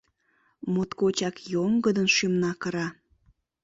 Моткочак йоҥгыдын шӱмна кыра.